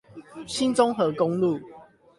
新中橫公路